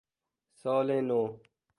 سال نو